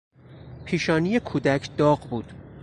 پیشانی کودک داغ بود.